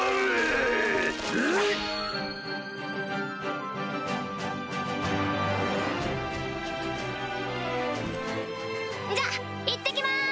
ニッ！じゃいってきます！